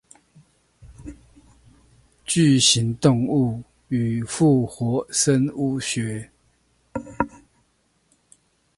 巨型動物與復活生物學